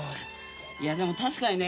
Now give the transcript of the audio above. いやでも確かにね